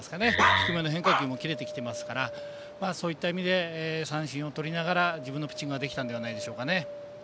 低めの変化球もキレてきていますからそういった意味で三振をとりながら自分のピッチングができたのではないでしょうか。